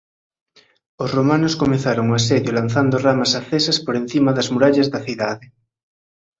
Os romanos comezaron o asedio lanzando ramas acesas por encima das murallas da cidade.